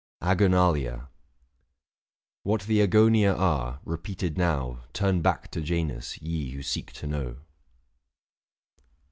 AGONALIA. What the Agonia are, repeated now Turn back to Janus, ye who seek to know.